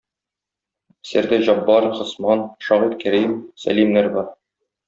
Әсәрдә Җаббар, Госман, шагыйрь Кәрим, Сәлимнәр бар.